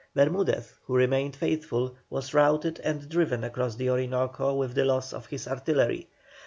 Bermudez, who remained faithful, was routed and driven across the Orinoco with the loss of his artillery.